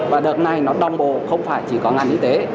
và đợt này nó đồng bộ không phải chỉ có ngành y tế